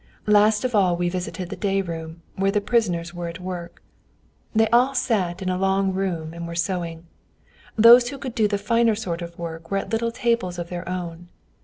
Last of all we visited the day room, where the prisoners were at work. They all sat in a long room, and were sewing. Those who could do the finer sort of work were at little tables of their own.